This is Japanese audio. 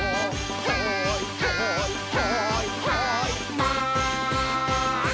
「はいはいはいはいマン」